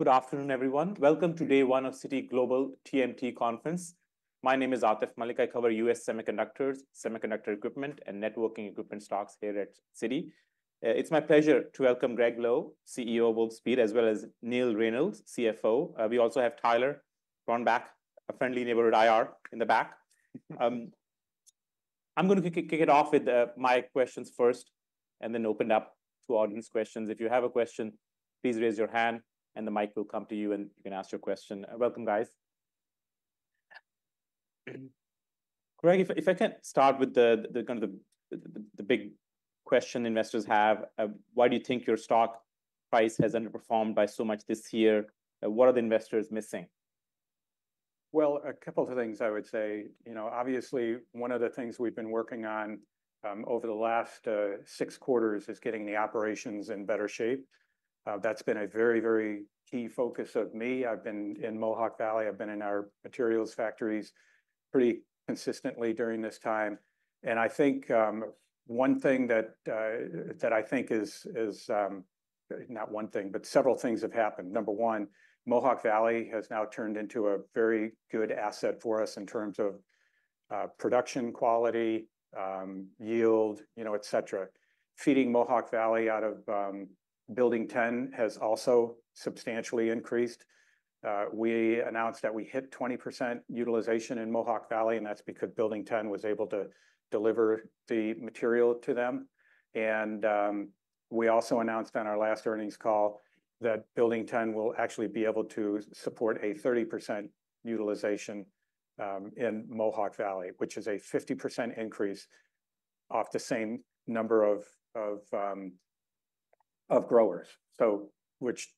Good afternoon, everyone. Welcome to day one of Citi Global TMT Conference. My name is Atif Malik. I cover US semiconductors, semiconductor equipment, and networking equipment stocks here at Citi. It's my pleasure to welcome Gregg Lowe, CEO of Wolfspeed, as well as Neill Reynolds, CFO. We also have Tyler Gronbach, a friendly neighborhood IR, in the back. I'm going to kick it off with my questions first, and then open it up to audience questions. If you have a question, please raise your hand and the mic will come to you, and you can ask your question. Welcome, guys. Gregg, if I can start with the big question investors have: Why do you think your stock price has underperformed by so much this year? What are the investors missing? A couple of things I would say. You know, obviously, one of the things we've been working on over the last six quarters is getting the operations in better shape. That's been a very, very key focus of me. I've been in Mohawk Valley. I've been in our materials factories pretty consistently during this time, and I think. Not one thing, but several things have happened. Number one, Mohawk Valley has now turned into a very good asset for us in terms of production quality, yield, you know, et cetera. Feeding Mohawk Valley out of Building 10 has also substantially increased. We announced that we hit 20% utilization in Mohawk Valley, and that's because Building 10 was able to deliver the material to them. We also announced on our last earnings call that Building 10 will actually be able to support 30% utilization in Mohawk Valley, which is a 50% increase off the same number of growers. Which,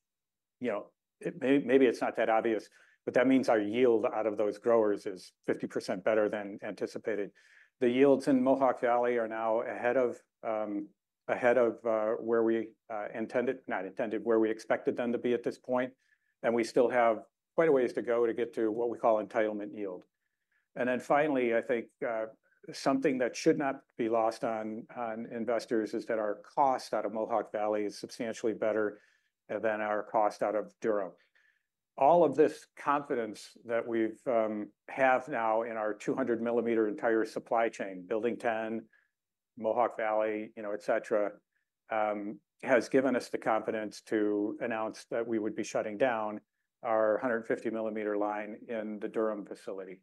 you know, maybe it's not that obvious, but that means our yield out of those growers is 50% better than anticipated. The yields in Mohawk Valley are now ahead of where we intended, not intended, where we expected them to be at this point, and we still have quite a ways to go to get to what we call entitlement yield. Then finally, I think something that should not be lost on investors is that our cost out of Mohawk Valley is substantially better than our cost out of Durham. All of this confidence that we have now in our 200 mm entire supply chain, Building 10, Mohawk Valley, you know, et cetera, has given us the confidence to announce that we would be shutting down our 150 mm line in the Durham facility.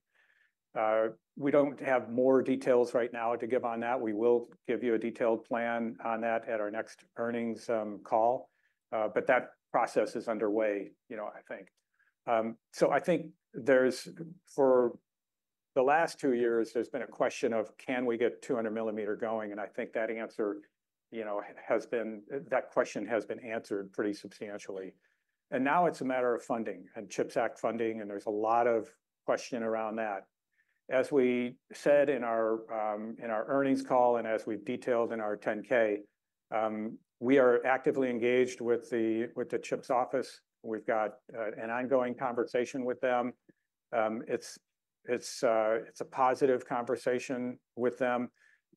We don't have more details right now to give on that. We will give you a detailed plan on that at our next earnings call. But that process is underway, you know, I think. So I think for the last two years, there's been a question of: Can we get 200 mm going? And I think that answer, you know, has been that question has been answered pretty substantially. And now it's a matter of funding, and CHIPS Act funding, and there's a lot of question around that. As we said in our earnings call and as we've detailed in our 10-K, we are actively engaged with the CHIPS office. We've got an ongoing conversation with them. It's a positive conversation with them,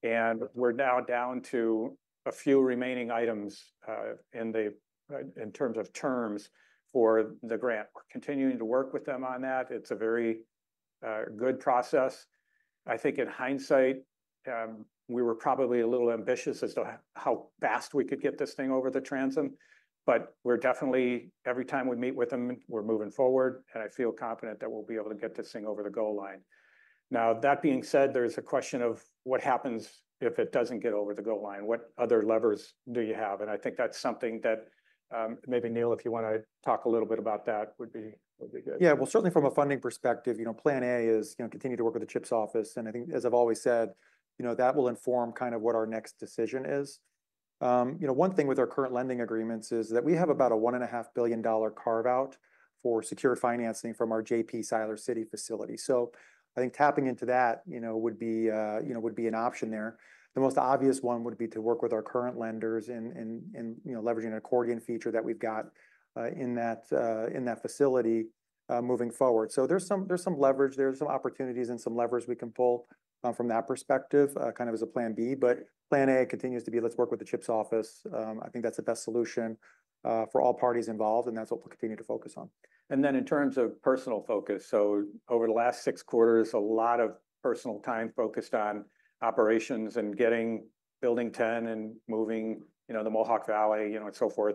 and we're now down to a few remaining items in terms of terms for the grant. We're continuing to work with them on that. It's a very good process. I think in hindsight, we were probably a little ambitious as to how fast we could get this thing over the transom, but we're definitely, every time we meet with them, we're moving forward, and I feel confident that we'll be able to get this thing over the goal line. Now, that being said, there's a question of what happens if it doesn't get over the goal line? What other levers do you have? And I think that's something that, maybe, Neill, if you want to talk a little bit about that, would be good. Yeah, well, certainly from a funding perspective, you know, plan A is, you know, continue to work with the CHIPS office. And I think, as I've always said, you know, that will inform kind of what our next decision is. You know, one thing with our current lending agreements is that we have about a $1.5 billion carve-out for secured financing from our JP Siler City facility. So I think tapping into that, you know, would be, you know, would be an option there. The most obvious one would be to work with our current lenders and, you know, leveraging an accordion feature that we've got in that facility moving forward. So there's some leverage, there are some opportunities and some levers we can pull from that perspective, kind of as a plan B. But plan A continues to be: Let's work with the CHIPS office. I think that's the best solution for all parties involved, and that's what we'll continue to focus on. Then in terms of personal focus, so over the last six quarters, a lot of personal time focused on operations and getting Building 10 and moving, you know, the Mohawk Valley, you know, and so forth,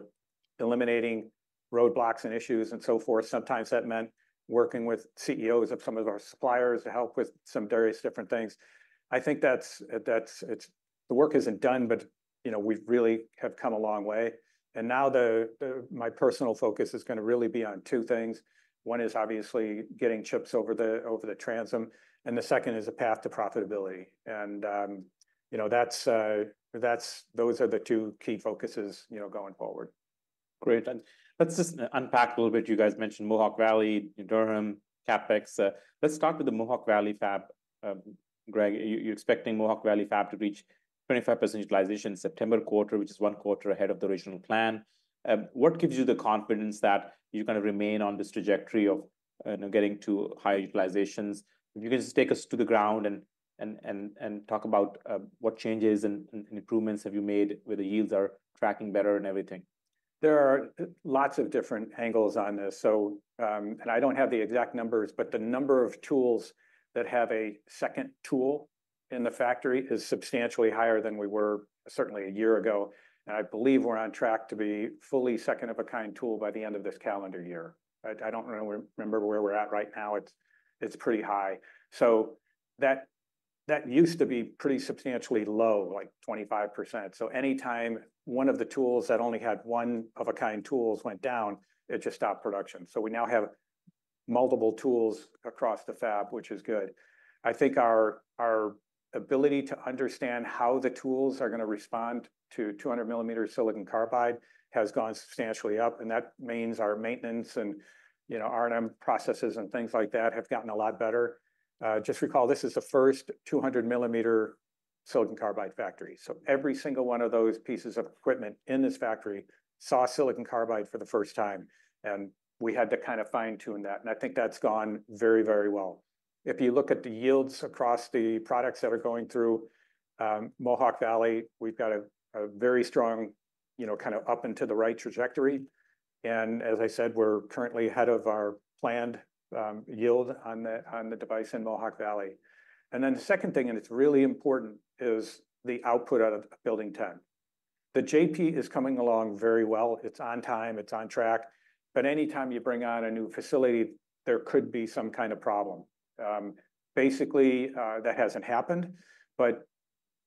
eliminating roadblocks and issues and so forth. Sometimes that meant working with CEOs of some of our suppliers to help with some various different things. I think that's it, the work isn't done but, you know, we really have come a long way. Now the my personal focus is going to really be on two things. One is obviously getting CHIPS over the transom, and the second is the path to profitability. And, you know, that's those are the two key focuses, you know, going forward. Great, and let's just unpack a little bit. You guys mentioned Mohawk Valley, Durham, CapEx. Let's start with the Mohawk Valley fab. Gregg, you're expecting Mohawk Valley fab to reach 25% utilization September quarter, which is one quarter ahead of the original plan. What gives you the confidence that you're going to remain on this trajectory of, you know, getting to higher utilizations? If you can just take us to the ground and talk about what changes and improvements have you made where the yields are tracking better and everything? There are lots of different angles on this, so and I don't have the exact numbers, but the number of tools that have a second tool in the factory is substantially higher than we were certainly a year ago. I believe we're on track to be fully second-of-a-kind tool by the end of this calendar year. I don't remember where we're at right now. It's pretty high. That used to be pretty substantially low, like 25%. Anytime one of the tools that only had one-of-a-kind tools went down, it just stopped production. We now have multiple tools across the fab, which is good. I think our ability to understand how the tools are going to respond to 200 mm silicon carbide has gone substantially up, and that means our maintenance and, you know, R&M processes and things like that have gotten a lot better. Just recall, this is the first 200 mm silicon carbide factory. So every single one of those pieces of equipment in this factory saw silicon carbide for the first time, and we had to kind of fine-tune that, and I think that's gone very, very well. If you look at the yields across the products that are going through Mohawk Valley, we've got a very strong, you know, kind of up and to the right trajectory, and as I said, we're currently ahead of our planned yield on the device in Mohawk Valley. Then the second thing, and it's really important, is the output out of Building 10. The JP is coming along very well. It's on time, it's on track, but anytime you bring on a new facility, there could be some kind of problem. Basically, that hasn't happened, but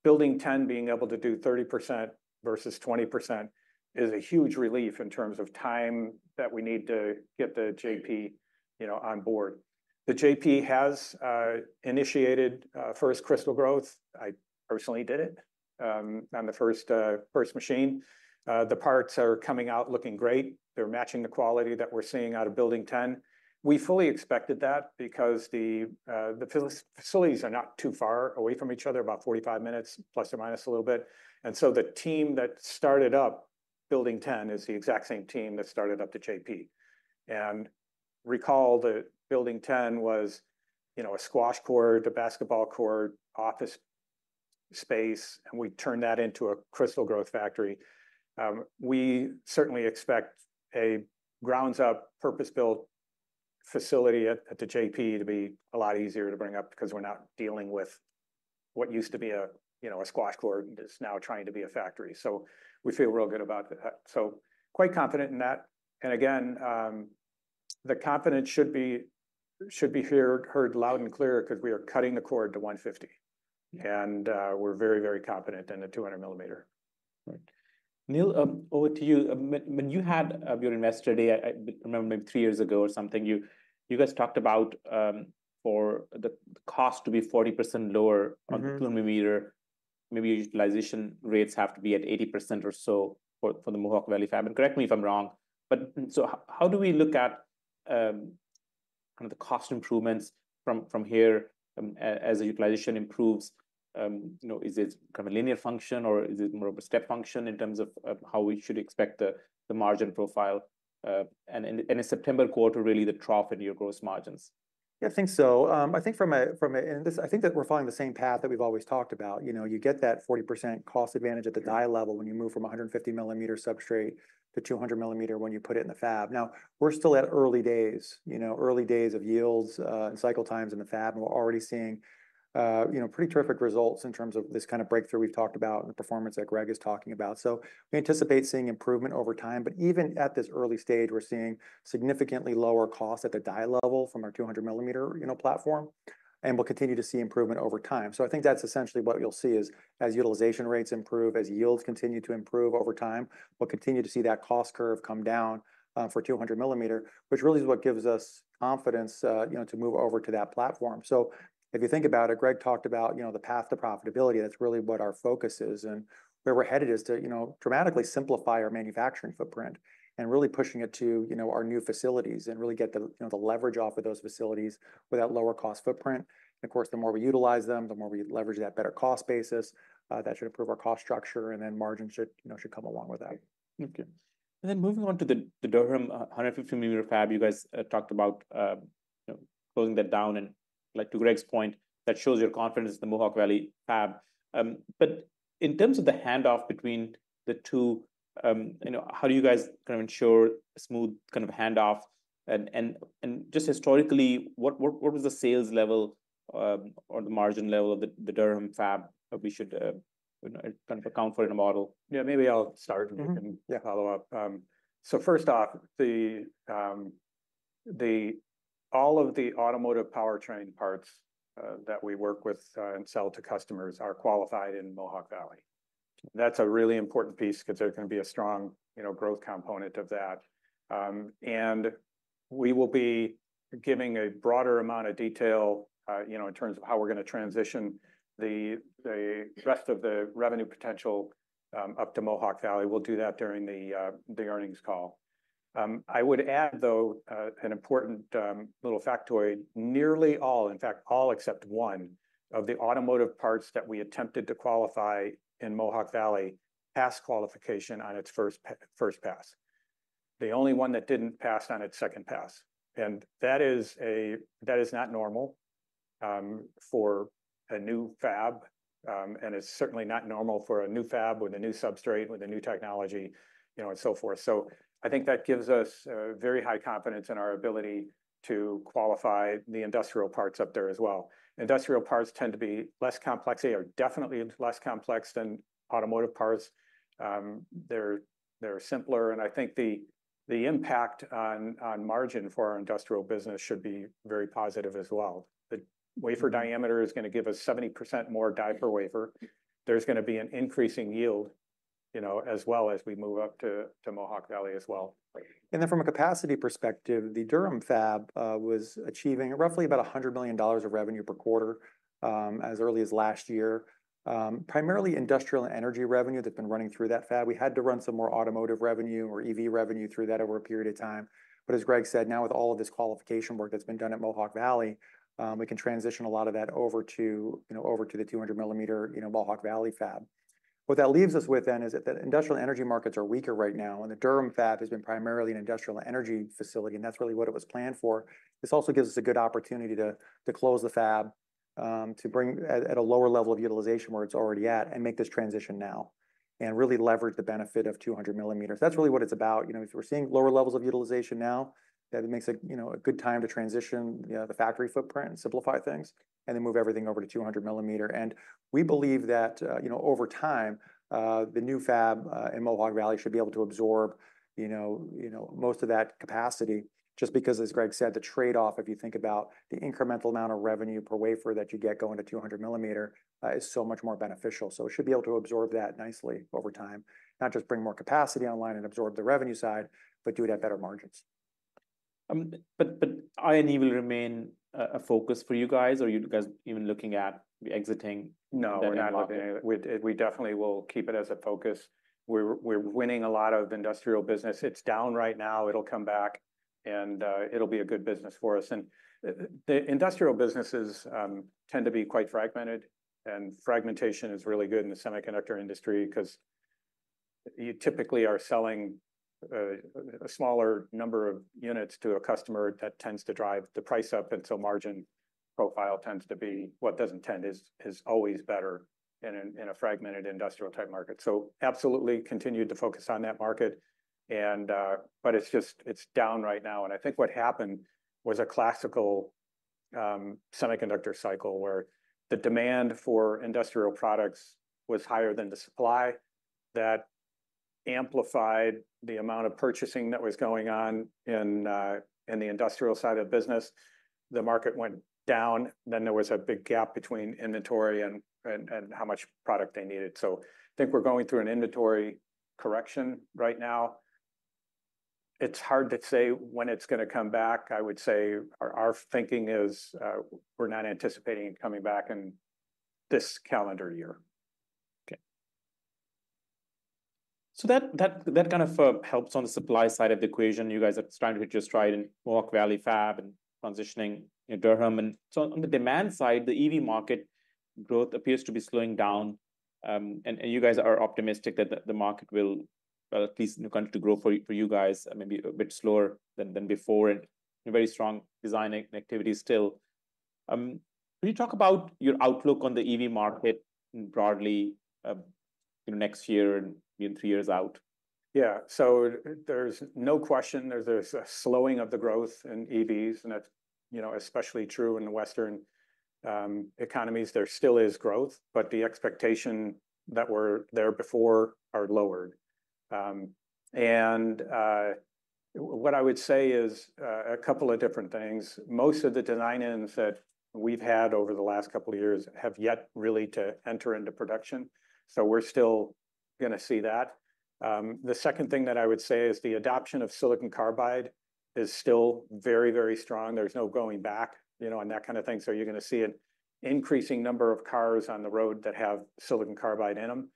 Building 10 being able to do 30% versus 20% is a huge relief in terms of time that we need to get the JP, you know, on board. The JP has initiated first crystal growth. I personally did it on the first machine. The parts are coming out looking great. They're matching the quality that we're seeing out of Building 10. We fully expected that because the physical facilities are not too far away from each other, about 45 minutes, plus or minus a little bit. The team that started up Building 10 is the exact same team that started up the JP. Recall that Building 10 was, you know, a squash court, a basketball court, office space, and we turned that into a crystal growth factory. We certainly expect a ground-up, purpose-built facility at the JP to be a lot easier to bring up because we're not dealing with what used to be a, you know, a squash court that's now trying to be a factory. We feel real good about that. We are quite confident in that, and again, the confidence should be heard loud and clear 'cause we are cutting the cord to 150, and we're very, very confident in the 200 mm Right. Neill, over to you. When you had your Investor Day, I remember maybe three years ago or something, you guys talked about for the cost to be 40% lower. Mm-hmm On the millimeter, maybe utilization rates have to be at 80% or so for the Mohawk Valley fab, and correct me if I'm wrong. But so how do we look at, kind of the cost improvements from here, as the utilization improves? You know, is it kind of a linear function, or is it more of a step function in terms of how we should expect the margin profile, and in a September quarter, really, the trough in your gross margins? Yeah, I think so. I think from a. And this, I think that we're following the same path that we've always talked about. You know, you get that 40% cost advantage at the die level when you move from a 150mm substrate to 200mm when you put it in the fab. Now, we're still at early days, you know, early days of yields and cycle times in the fab, and we're already seeing you know, pretty terrific results in terms of this kind of breakthrough we've talked about and the performance that Gregg is talking about. So we anticipate seeing improvement over time, but even at this early stage, we're seeing significantly lower costs at the die level from our 200mm platform. And we'll continue to see improvement over time. So I think that's essentially what you'll see is, as utilization rates improve, as yields continue to improve over time, we'll continue to see that cost curve come down, for 200 mm, which really is what gives us confidence, you know, to move over to that platform. So if you think about it, Gregg talked about, you know, the path to profitability. That's really what our focus is, and where we're headed is to, you know, dramatically simplify our manufacturing footprint and really pushing it to, you know, our new facilities and really get the, you know, the leverage off of those facilities with that lower cost footprint. And of course, the more we utilize them, the more we leverage that better cost basis, that should improve our cost structure, and then margins should, you know, should come along with that. Okay. Then moving on to the Durham 150mm fab, you guys talked about, you know, closing that down. Like, to Gregg's point, that shows your confidence in the Mohawk Valley fab. But in terms of the handoff between the two, you know, how do you guys kind of ensure a smooth kind of handoff? And just historically, what was the sales level, or the margin level of the Durham fab that we should, you know, kind of account for in the model? Yeah, maybe I'll start. Mm-hmm. Yeah And follow up. So first off, all of the automotive powertrain parts that we work with and sell to customers are qualified in Mohawk Valley. That's a really important piece because they're going to be a strong, you know, growth component of that. And we will be giving a broader amount of detail, you know, in terms of how we're going to transition the rest of the revenue potential up to Mohawk Valley. We'll do that during the earnings call. I would add, though, an important little factoid: nearly all, in fact, all except one of the automotive parts that we attempted to qualify in Mohawk Valley passed qualification on its first pass. The only one that didn't pass on its second pass, and that is not normal for a new fab. And it's certainly not normal for a new fab with a new substrate, with a new technology, you know, and so forth. So I think that gives us very high confidence in our ability to qualify the industrial parts up there as well. Industrial parts tend to be less complex. They are definitely less complex than automotive parts. They're simpler, and I think the impact on margin for our industrial business should be very positive as well. The wafer diameter is gonna give us 70% more die per wafer. There's gonna be an increasing yield, you know, as well as we move up to Mohawk Valley as well. And then from a capacity perspective, the Durham fab was achieving roughly about $100 million of revenue per quarter as early as last year. Primarily industrial and energy revenue that's been running through that fab. We had to run some more automotive revenue or EV revenue through that over a period of time. But as Gregg said, now with all of this qualification work that's been done at Mohawk Valley, we can transition a lot of that over to, you know, over to the 200 mm, you know, Mohawk Valley fab. What that leaves us with then is that the industrial energy markets are weaker right now, and the Durham fab has been primarily an industrial energy facility, and that's really what it was planned for. This also gives us a good opportunity to close the fab, to bring at a lower level of utilization where it's already at, and make this transition now and really leverage the benefit of 200 mm. That's really what it's about. You know, if we're seeing lower levels of utilization now, that makes a good time to transition, you know, the factory footprint and simplify things, and then move everything over to 200 mm. And we believe that, you know, the new fab in Mohawk Valley should be able to absorb most of that capacity just because, as Gregg said, the trade-off, if you think about the incremental amount of revenue per wafer that you get going to 200 mm is so much more beneficial. It should be able to absorb that nicely over time, not just bring more capacity online and absorb the revenue side, but do it at better margins. But I&E will remain a focus for you guys, or are you guys even looking at exiting? No, we're not looking. We definitely will keep it as a focus. We're winning a lot of industrial business. It's down right now. It'll come back, and it'll be a good business for us, and the industrial businesses tend to be quite fragmented, and fragmentation is really good in the semiconductor industry because you typically are selling a smaller number of units to a customer that tends to drive the price up, and so margin profile tends to be always better in a fragmented industrial-type market, so absolutely continued to focus on that market, and but it's just, it's down right now, and I think what happened was a classical semiconductor cycle where the demand for industrial products was higher than the supply. That amplified the amount of purchasing that was going on in the industrial side of the business. The market went down, then there was a big gap between inventory and how much product they needed. So I think we're going through an inventory correction right now. It's hard to say when it's gonna come back. I would say our thinking is, we're not anticipating it coming back in this calendar year. Okay. So that kind of helps on the supply side of the equation. You guys are starting to get your stride in Mohawk Valley fab and transitioning in Durham. And so on the demand side, the EV market growth appears to be slowing down, and you guys are optimistic that the market will at least continue to grow for you, for you guys, maybe a bit slower than before, and very strong design activity still. Can you talk about your outlook on the EV market broadly, in next year and in three years out? Yeah. So there's no question there's a slowing of the growth in EVs, and that's, you know, especially true in the Western economies. There still is growth, but the expectation that were there before are lowered. And what I would say is a couple of different things. Most of the design-ins that we've had over the last couple of years have yet really to enter into production, so we're still gonna see that. The second thing that I would say is the adoption of silicon carbide is still very, very strong. There's no going back, you know, and that kind of thing. So you're gonna see an increasing number of cars on the road that have silicon carbide in them,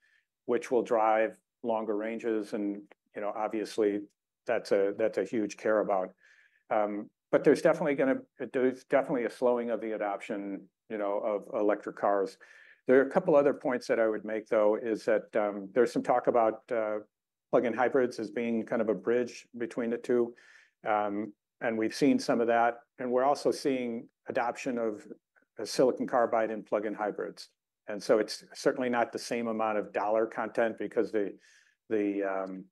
which will drive longer ranges, and, you know, obviously, that's a, that's a huge carrot. But there's definitely a slowing of the adoption, you know, of electric cars. There are a couple other points that I would make, though, is that there's some talk about plug-in hybrids as being kind of a bridge between the two. And we've seen some of that, and we're also seeing adoption of silicon carbide in plug-in hybrids. And so it's certainly not the same amount of dollar content because the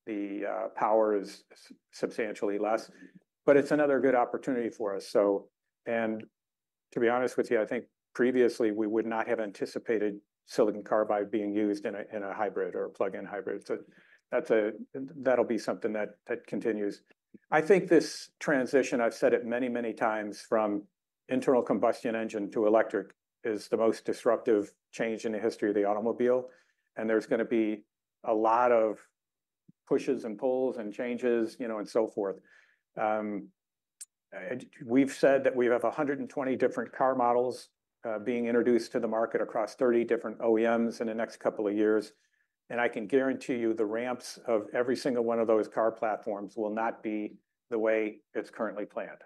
power is substantially less, but it's another good opportunity for us. So. And to be honest with you, I think previously we would not have anticipated silicon carbide being used in a hybrid or a plug-in hybrid. So that's that'll be something that continues. I think this transition, I've said it many, many times, from internal combustion engine to electric, is the most disruptive change in the history of the automobile, and there's gonna be a lot of pushes and pulls and changes, you know, and so forth. We've said that we have 120 different car models being introduced to the market across 30 different OEMs in the next couple of years, and I can guarantee you the ramps of every single one of those car platforms will not be the way it's currently planned.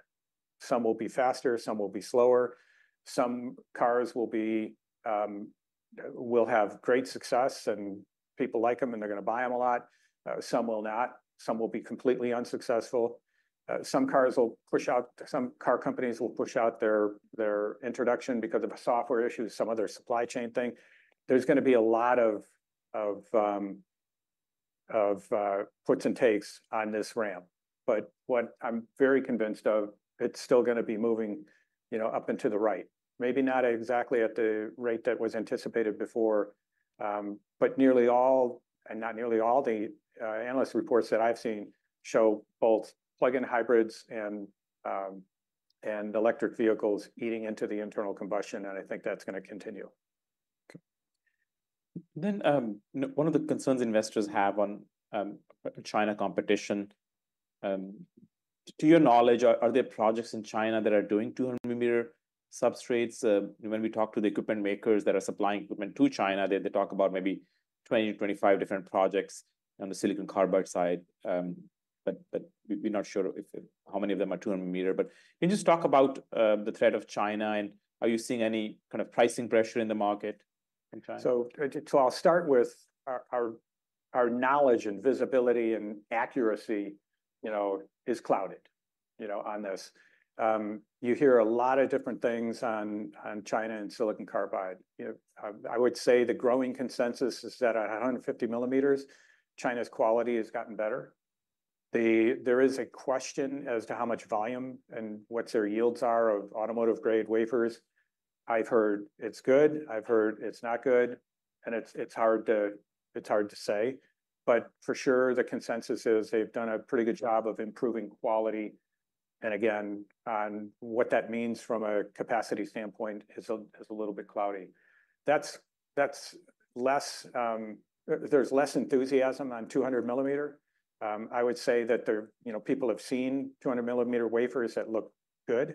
Some will be faster, some will be slower. Some cars will have great success, and people like them, and they're going to buy them a lot. Some will not. Some will be completely unsuccessful. Some car companies will push out their introduction because of a software issue, some other supply chain thing. There's going to be a lot of puts and takes on this ramp. What I'm very convinced of, it's still going to be moving, you know, up and to the right. Maybe not exactly at the rate that was anticipated before, but nearly all, not nearly all the analyst reports that I've seen show both plug-in hybrids and electric vehicles eating into the internal combustion, and I think that's going to continue. Then, one of the concerns investors have on China competition, to your knowledge, are there projects in China that are doing 200 mm substrates? When we talk to the equipment makers that are supplying equipment to China, they talk about maybe 20 to 25 different projects on the silicon carbide side, but we're not sure if how many of them are 200 mm. But can you just talk about the threat of China, and are you seeing any kind of pricing pressure in the market in China? I'll start with our knowledge and visibility and accuracy, you know, is clouded, you know, on this. You hear a lot of different things on China and silicon carbide. You know, I would say the growing consensus is that at 150 mm, China's quality has gotten better. There is a question as to how much volume and what their yields are of automotive-grade wafers. I've heard it's good, I've heard it's not good, and it's hard to say. But for sure, the consensus is they've done a pretty good job of improving quality. And again, on what that means from a capacity standpoint is a little bit cloudy. That's less, there's less enthusiasm on 200 mm. I would say that there, you know, people have seen 200 mm wafers that look good,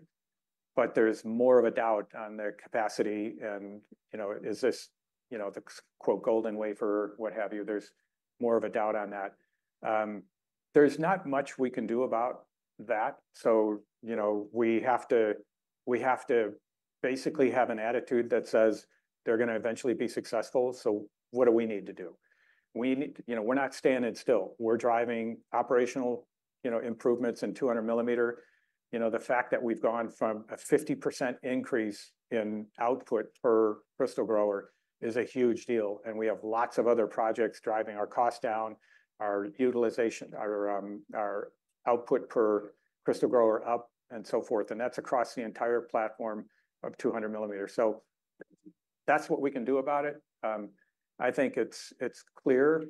but there's more of a doubt on their capacity, and you know, is this, you know, the quote "golden wafer," what have you? There's more of a doubt on that. There's not much we can do about that, so, you know, we have to, we have to basically have an attitude that says: They're going to eventually be successful, so what do we need to do? We need. You know, we're not standing still. We're driving operational, you know, improvements in 200 mm. You know, the fact that we've gone from a 50% increase in output per crystal grower is a huge deal, and we have lots of other projects driving our cost down, our utilization, our output per crystal grower up, and so forth, and that's across the entire platform of 200 mm. So that's what we can do about it. I think it's clear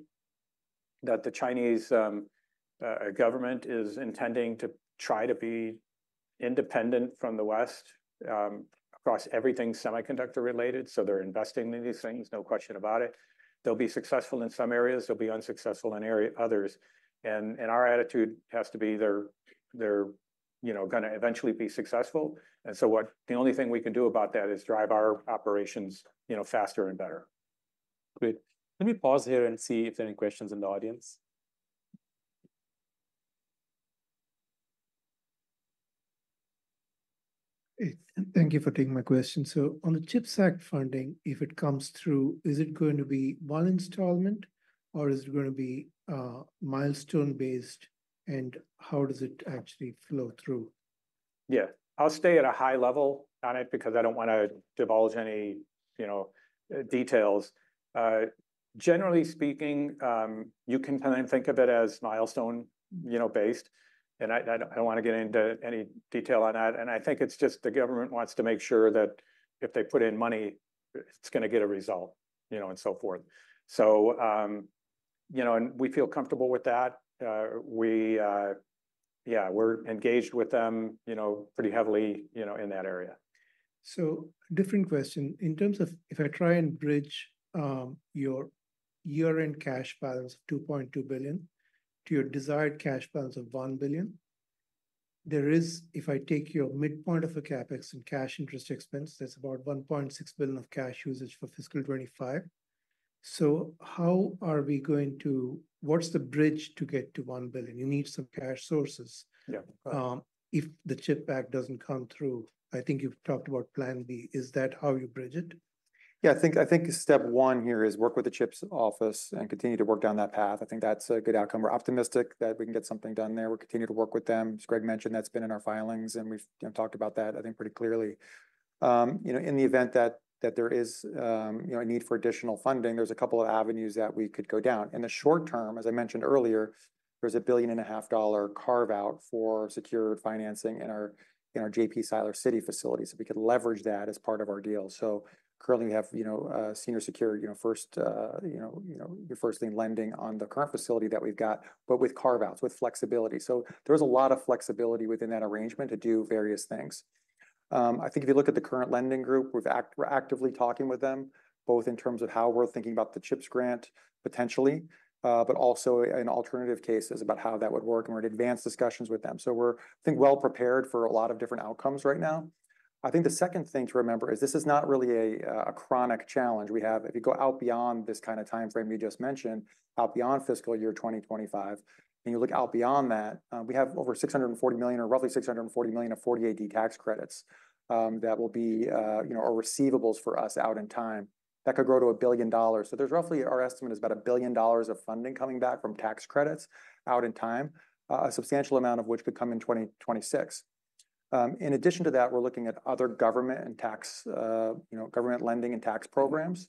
that the Chinese government is intending to try to be independent from the West across everything semiconductor related, so they're investing in these things, no question about it. They'll be successful in some areas. They'll be unsuccessful in other areas. Our attitude has to be they're you know going to eventually be successful. The only thing we can do about that is drive our operations you know faster and better. Great. Let me pause here and see if there are any questions in the audience. Thank you for taking my question. So on the CHIPS Act funding, if it comes through, is it going to be one installment, or is it going to be, milestone based, and how does it actually flow through? Yeah, I'll stay at a high level on it because I don't want to divulge any, you know, details. Generally speaking, you can kind of think of it as milestone, you know, based, and I don't want to get into any detail on that. And I think it's just the government wants to make sure that if they put in money, it's going to get a result, you know, and so forth. So, you know, and we feel comfortable with that. Yeah, we're engaged with them, you know, pretty heavily, you know, in that area. Different question. In terms of if I try and bridge your year-end cash balance of $2.2 billion to your desired cash balance of $1 billion, there is, if I take your midpoint of a CapEx and cash interest expense, that's about $1.6 billion of cash usage for fiscal 2025. How are we going to. What's the bridge to get to $1 billion? You need some cash sources. Yeah If the CHIPS Act doesn't come through. I think you've talked about plan B. Is that how you bridge it? Yeah, I think step one here is work with the CHIPS office and continue to work down that path. I think that's a good outcome. We're optimistic that we can get something done there. We'll continue to work with them. As Gregg mentioned, that's been in our filings, and we've, you know, talked about that, I think, pretty clearly. You know, in the event that there is, you know, a need for additional funding, there's a couple of avenues that we could go down. In the short term, as I mentioned earlier, there's a $1.5 billion carve-out for secured financing in our JP Siler City facilities, so we could leverage that as part of our deal. So currently, we have, you know, senior secured, you know, first, you know, you know, your first lien lending on the current facility that we've got, but with carve-outs, with flexibility. So there is a lot of flexibility within that arrangement to do various things. I think if you look at the current lending group, we're actively talking with them, both in terms of how we're thinking about the CHIPS grant, potentially, but also in alternative cases about how that would work, and we're in advanced discussions with them. So we're, I think, well prepared for a lot of different outcomes right now. I think the second thing to remember is this is not really a chronic challenge we have. If you go out beyond this kind of time frame you just mentioned, out beyond fiscal year 2025, and you look out beyond that, we have over $640 million or roughly $640 million of 48D tax credits, that will be, you know, are receivables for us out in time. That could grow to $1 billion. So there's roughly, our estimate is about $1 billion of funding coming back from tax credits out in time, a substantial amount of which could come in 2026. In addition to that, we're looking at other government and tax, you know, government lending and tax programs,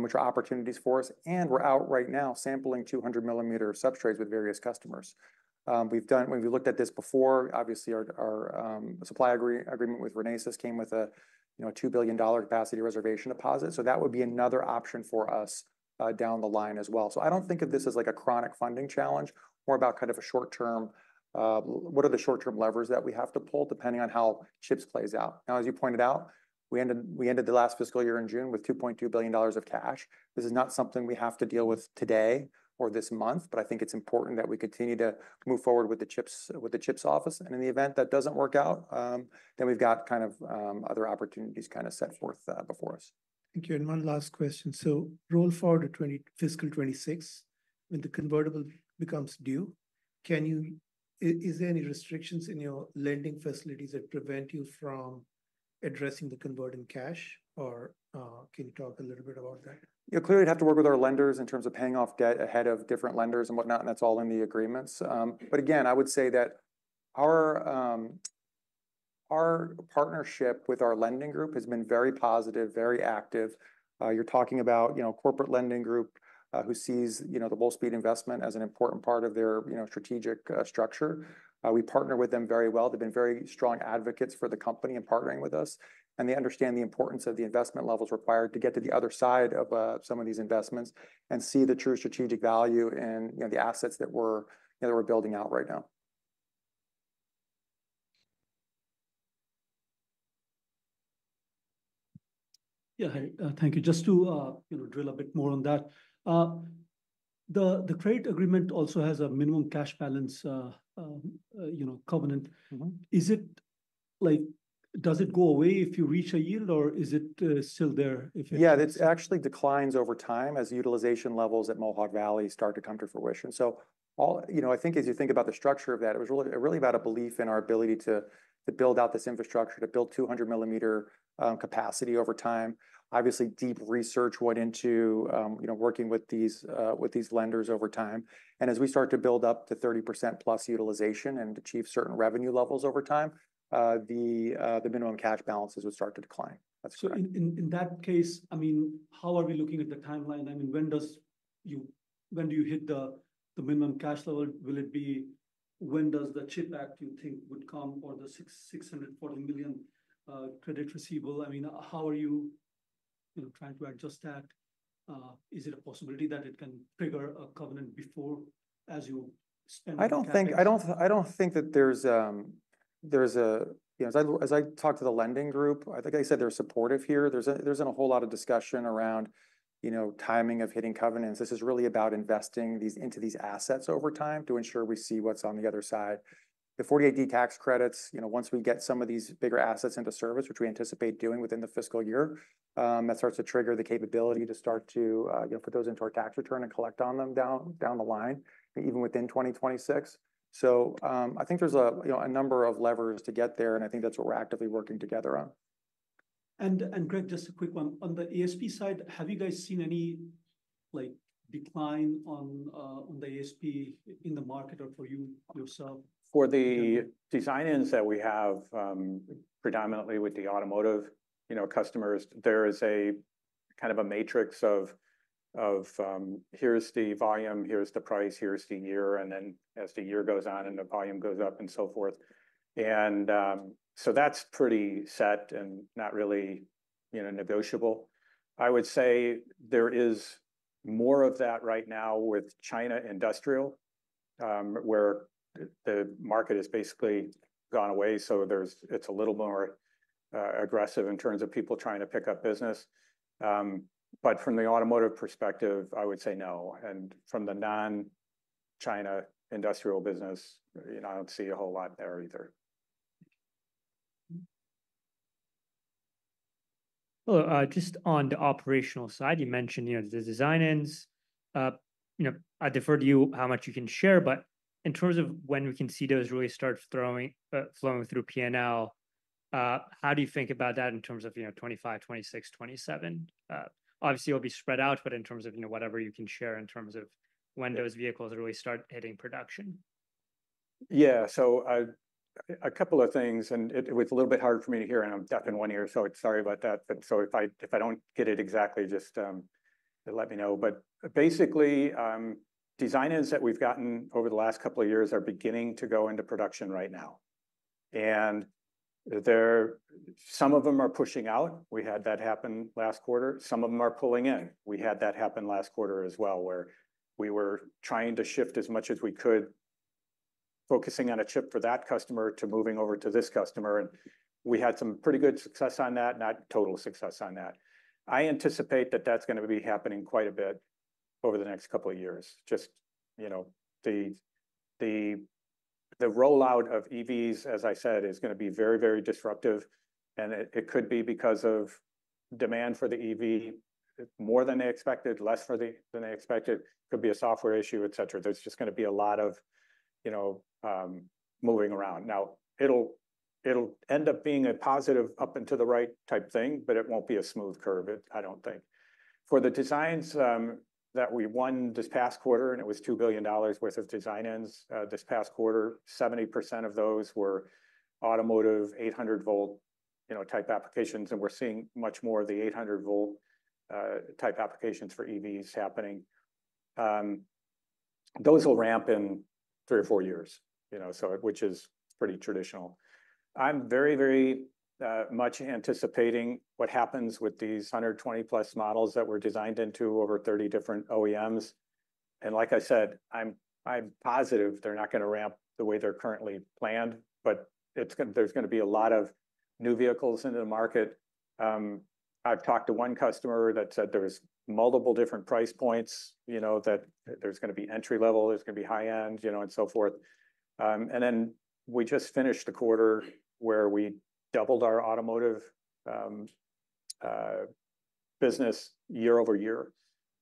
which are opportunities for us, and we're out right now sampling 200 mm substrates with various customers. We've looked at this before. Obviously, our supply agreement with Renesas came with a, you know, $2 billion capacity reservation deposit, so that would be another option for us down the line as well. So I don't think of this as like a chronic funding challenge, more about kind of a short-term what are the short-term levers that we have to pull, depending on how CHIPS plays out? Now, as you pointed out, we ended the last fiscal year in June with $2.2 billion of cash. This is not something we have to deal with today or this month, but I think it's important that we continue to move forward with the CHIPS Office. In the event that doesn't work out, then we've got kind of other opportunities kind of set forth before us. Thank you. One last question: so roll forward to fiscal 2026, when the convertible becomes due. Is there any restrictions in your lending facilities that prevent you from addressing the convert in cash, or can you talk a little bit about that? Yeah, clearly, we'd have to work with our lenders in terms of paying off debt ahead of different lenders and whatnot, and that's all in the agreements, but again, I would say that our partnership with our lending group has been very positive, very active. You're talking about, you know, corporate lending group, who sees, you know, the Wolfspeed investment as an important part of their, you know, strategic structure. We partner with them very well. They've been very strong advocates for the company in partnering with us, and they understand the importance of the investment levels required to get to the other side of some of these investments and see the true strategic value in, you know, the assets that we're building out right now. Yeah, thank you. Just to, you know, drill a bit more on that. The credit agreement also has a minimum cash balance, you know, covenant. Mm-hmm. Is it like, does it go away if you reach a yield, or is it still there if it- Yeah, it actually declines over time as utilization levels at Mohawk Valley start to come to fruition. So all, you know, I think as you think about the structure of that, it was really, really about a belief in our ability to build out this infrastructure, to build 200mm capacity over time. Obviously, deep research went into, you know, working with these lenders over time. And as we start to build up to 30% plus utilization and achieve certain revenue levels over time, the minimum cash balances would start to decline. That's correct. In that case, I mean, how are we looking at the timeline? I mean, when do you hit the minimum cash level? Will it be when does the CHIPS Act, you think, would come or the $640 million credit receivable? I mean, how are you, you know, trying to adjust that? Is it a possibility that it can trigger a covenant before as you spend- I don't think that there's a, you know, as I talked to the lending group, I think they said they're supportive here. There's been a whole lot of discussion around, you know, timing of hitting covenants. This is really about investing into these assets over time to ensure we see what's on the other side. The 48D tax credits, you know, once we get some of these bigger assets into service, which we anticipate doing within the fiscal year, that starts to trigger the capability to start to, you know, put those into our tax return and collect on them down the line, even within 2026. So, I think there's a, you know, a number of levers to get there, and I think that's what we're actively working together on. Gregg, just a quick one. On the ASP side, have you guys seen any, like, decline on the ASP in the market or for you yourself? For the design-ins that we have, predominantly with the automotive, you know, customers, there is a kind of a matrix of, here's the volume, here's the price, here's the year, and then as the year goes on and the volume goes up and so forth, so that's pretty set and not really, you know, negotiable. I would say there is more of that right now with China industrial, where the market has basically gone away, so it's a little more aggressive in terms of people trying to pick up business, but from the automotive perspective, I would say no, and from the non-China industrial business, you know, I don't see a whole lot there either. Just on the operational side, you mentioned, you know, the design-ins. You know, I defer to you how much you can share, but in terms of when we can see those really start throwing, flowing through P&L, how do you think about that in terms of, you know, 2025, 2026, 2027? Obviously, it'll be spread out, but in terms of, you know, whatever you can share in terms of when those vehicles really start hitting production. Yeah, so a couple of things, and it was a little bit hard for me to hear, and I'm deaf in one ear, so sorry about that, but so if I don't get it exactly, just let me know. But basically, design-ins that we've gotten over the last couple of years are beginning to go into production right now, and there some of them are pushing out. We had that happen last quarter. Some of them are pulling in. We had that happen last quarter as well, where we were trying to shift as much as we could, focusing on a CHIP for that customer to moving over to this customer, and we had some pretty good success on that, not total success on that. I anticipate that that's going to be happening quite a bit over the next couple of years. You know, the rollout of EVs, as I said, is gonna be very, very disruptive, and it could be because of demand for the EV more than they expected, less than they expected. It could be a software issue, et cetera. There's just gonna be a lot of, you know, moving around. Now, it'll end up being a positive up and to the right type thing, but it won't be a smooth curve, it. I don't think. For the designs that we won this past quarter, and it was $2 billion worth of design wins this past quarter, 70% of those were automotive 800 volt, you know, type applications, and we're seeing much more of the 800 volt type applications for EVs happening. Those will ramp in three or four years, you know, so which is pretty traditional. I'm very, very much anticipating what happens with these 120-plus models that were designed into over 30 different OEMs. And like I said, I'm positive they're not gonna ramp the way they're currently planned, but there's gonna be a lot of new vehicles into the market. I've talked to one customer that said there's multiple different price points, you know, that there's gonna be entry level, there's gonna be high-end, you know, and so forth. And then we just finished the quarter where we doubled our automotive business year over year,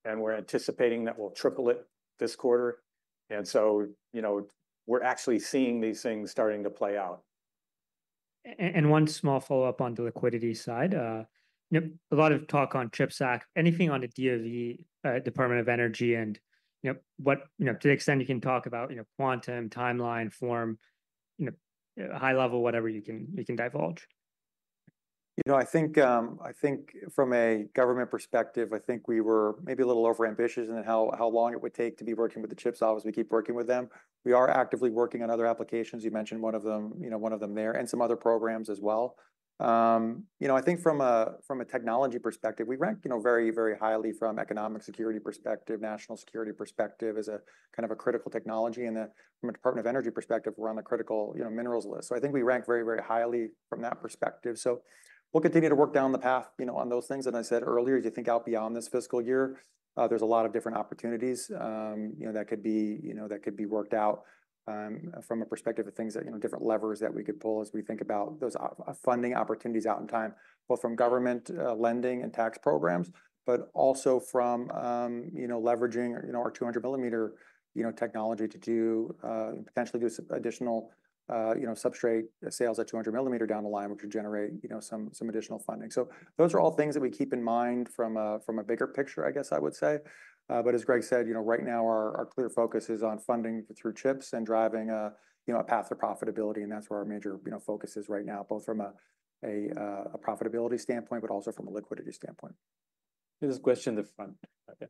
and we're anticipating that we'll triple it this quarter. And so, you know, we're actually seeing these things starting to play out. One small follow-up on the liquidity side. You know, a lot of talk on CHIPS Act. Anything on the DOE, Department of Energy, and, you know, what. You know, to the extent you can talk about, you know, quantum, timeline, form, you know, high level, whatever you can, you can divulge. You know, I think, I think from a government perspective, I think we were maybe a little overambitious in how long it would take to be working with the CHIPS office. We keep working with them. We are actively working on other applications. You mentioned one of them, you know, one of them there, and some other programs as well. You know, I think from a technology perspective, we rank, you know, very, very highly from economic security perspective, national security perspective, as a kind of a critical technology and from a Department of Energy perspective, we're on the critical, you know, minerals list, so I think we rank very, very highly from that perspective, so we'll continue to work down the path, you know, on those things. I said earlier, as you think out beyond this fiscal year, there's a lot of different opportunities, you know, that could be, you know, that could be worked out, from a perspective of things that, you know, different levers that we could pull as we think about those funding opportunities out in time, both from government lending and tax programs, but also from, you know, leveraging, you know, our 200 mm you know, technology to do, potentially do some additional, you know, substrate sales at 200 mm down the line, which would generate, you know, some additional funding. Those are all things that we keep in mind from a bigger picture, I guess I would say. But as Greg said, you know, right now our clear focus is on funding through CHIPS and driving, you know, a path to profitability, and that's where our major, you know, focus is right now, both from a profitability standpoint, but also from a liquidity standpoint. There's a question in the front. Okay.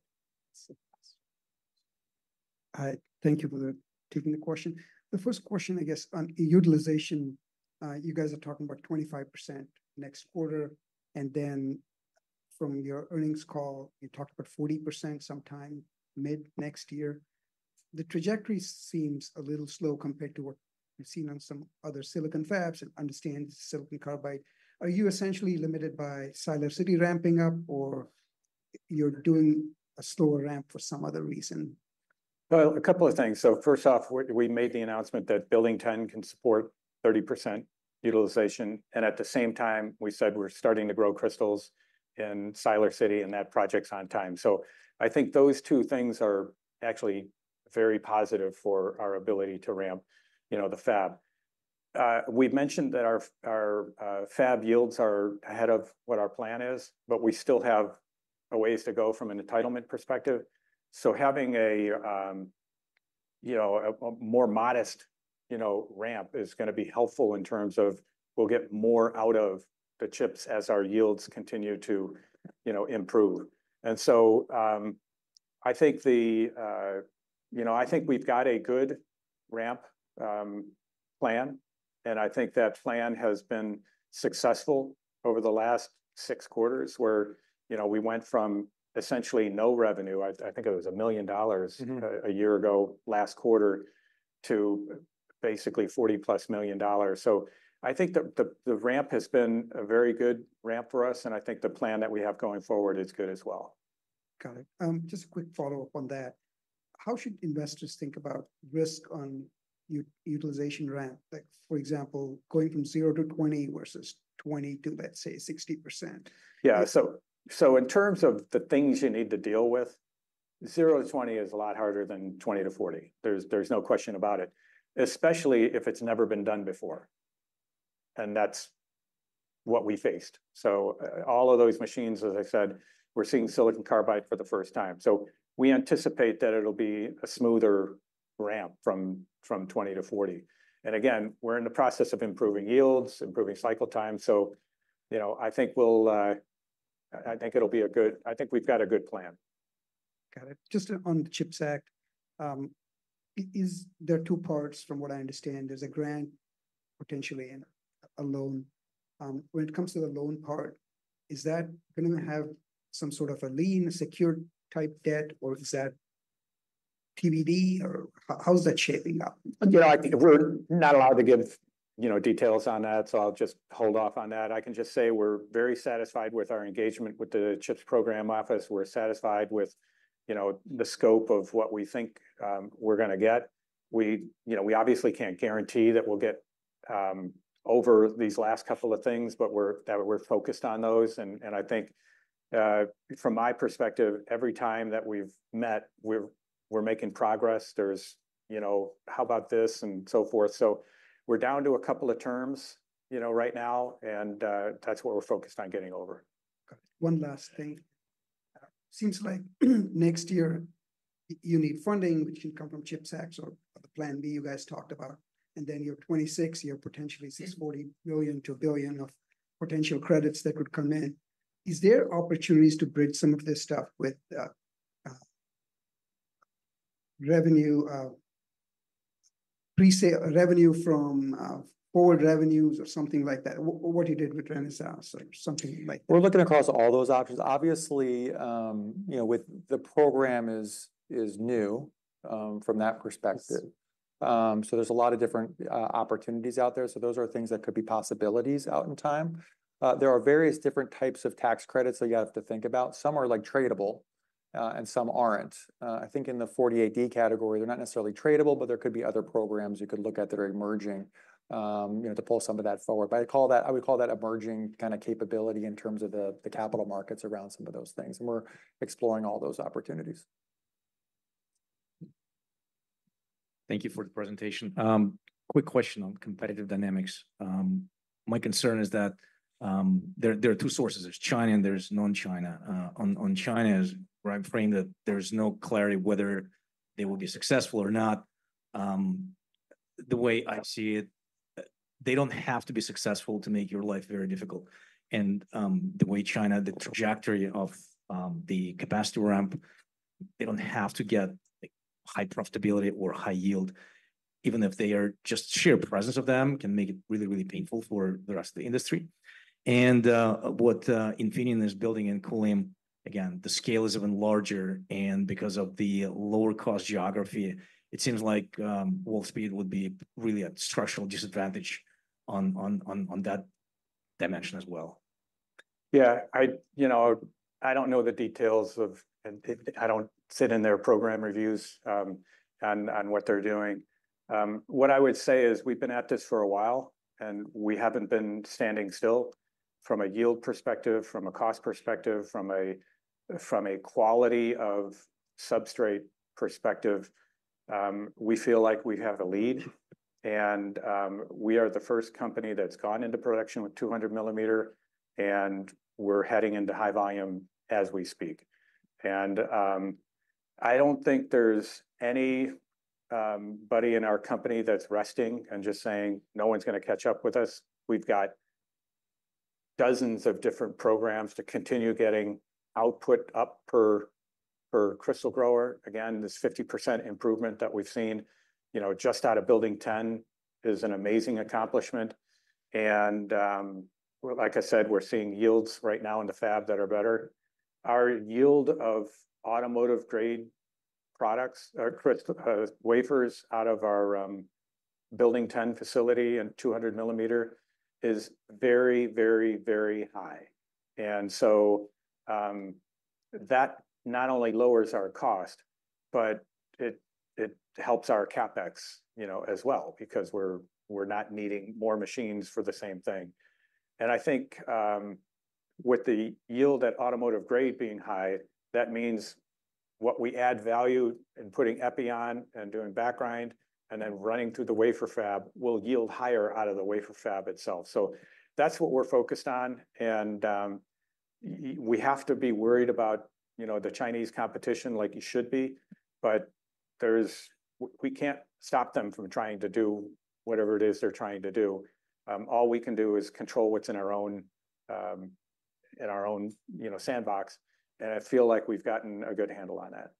Hi, thank you for taking the question. The first question, I guess, on utilization. You guys are talking about 25% next quarter, and then from your earnings call, you talked about 40% sometime mid-next year. The trajectory seems a little slow compared to what we've seen on some other silicon fabs, and understand it's silicon carbide. Are you essentially limited by Siler City ramping up, or you're doing a slower ramp for some other reason? A couple of things. First off, we made the announcement that Building 10 can support 30% utilization, and at the same time, we said we're starting to grow crystals in Siler City, and that project's on time. I think those two things are actually very positive for our ability to ramp, you know, the fab. We've mentioned that our fab yields are ahead of what our plan is, but we still have a ways to go from an entitlement perspective. Having a more modest, you know, ramp is gonna be helpful in terms of we'll get more out of the CHIPS as our yields continue to, you know, improve. You know, I think we've got a good ramp plan, and I think that plan has been successful over the last six quarters, where, you know, we went from essentially no revenue. I think it was $1 million. Mm-hmm A year ago last quarter, to basically $40-plus million. So I think the ramp has been a very good ramp for us, and I think the plan that we have going forward is good as well. Got it. Just a quick follow-up on that. How should investors think about risk on utilization ramp? Like, for example, going from zero to 20 versus 20 to, let's say, 60%. Yeah. So in terms of the things you need to deal with, zero to 20 is a lot harder than 20-40. There's no question about it, especially if it's never been done before, and that's what we faced. So all of those machines, as I said, we're seeing silicon carbide for the first time, so we anticipate that it'll be a smoother ramp from 20-40. And again, we're in the process of improving yields, improving cycle time, so you know, I think we'll. I think it'll be a good. I think we've got a good plan. Got it. Just on the CHIPS Act, there are two parts from what I understand. There's a grant, potentially, and a loan. When it comes to the loan part, is that gonna have some sort of a lien, a secured type debt, or is that TBD, or how's that shaping up? You know, we're not allowed to give, you know, details on that, so I'll just hold off on that. I can just say we're very satisfied with our engagement with the CHIPS Program Office. We're satisfied with, you know, the scope of what we think we're gonna get. We, you know, we obviously can't guarantee that we'll get over these last couple of things, but that we're focused on those. And I think from my perspective, every time that we've met, we're making progress. There's, you know, how about this, and so forth. So we're down to a couple of terms, you know, right now, and that's what we're focused on getting over. Got it. One last thing. Seems like next year, you need funding, which can come from CHIPS Act or the plan B you guys talked about, and then year 2026, you have potentially 60 to 40 million to a billion of potential credits that could come in. Is there opportunities to bridge some of this stuff with revenue, pre-sale revenue from forward revenues or something like that, what you did with Renesas or something like that? We're looking across all those options. Obviously, you know, with the program is new, from that perspective. Good. So there's a lot of different opportunities out there, so those are things that could be possibilities out in time. There are various different types of tax credits that you have to think about. Some are, like, tradable, and some aren't. I think in the 48D category, they're not necessarily tradable, but there could be other programs you could look at that are emerging, you know, to pull some of that forward. But I call that. I would call that emerging kind of capability in terms of the capital markets around some of those things, and we're exploring all those opportunities. Thank you for the presentation. Quick question on competitive dynamics. My concern is that there are two sources: There's China, and there's non-China. On China, where I'm framing that there's no clarity whether they will be successful or not. The way I see it, they don't have to be successful to make your life very difficult, and the way China, the trajectory of the capacity ramp, they don't have to get, like, high profitability or high yield. Even if they are, just sheer presence of them can make it really, really painful for the rest of the industry. What Infineon is building in Kulim, again, the scale is even larger, and because of the lower-cost geography, it seems like Wolfspeed would be really at structural disadvantage on that dimension as well. Yeah, you know, I don't know the details of. I don't sit in their program reviews on what they're doing. What I would say is, we've been at this for a while, and we haven't been standing still from a yield perspective, from a cost perspective, from a quality of substrate perspective. We feel like we have the lead, and we are the first company that's gone into production with 200 mm, and we're heading into high volume as we speak. And I don't think there's anybody in our company that's resting and just saying: No one's gonna catch up with us. We've got dozens of different programs to continue getting output up per crystal grower. Again, this 50% improvement that we've seen, you know, just out of Building 10 is an amazing accomplishment. And, like I said, we're seeing yields right now in the fab that are better. Our yield of automotive-grade products, crystal, wafers, out of our Building 10 facility and 200mm is very, very, very high. And so, that not only lowers our cost, but it helps our CapEx, you know, as well, because we're not needing more machines for the same thing. And I think, with the yield at automotive grade being high, that means what we add value in putting epi on and doing back grind, and then running through the wafer fab will yield higher out of the wafer fab itself. So that's what we're focused on, and we have to be worried about, you know, the Chinese competition like you should be, but we can't stop them from trying to do whatever it is they're trying to do. All we can do is control what's in our own, you know, sandbox, and I feel like we've gotten a good handle on that.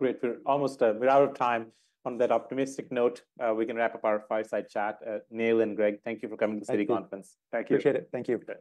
Great. We're almost, we're out of time. On that optimistic note, we can wrap up our fireside chat. Neill and Gregg, thank you for coming to the Citi Conference. Thank you. Thank you. Appreciate it. Thank you.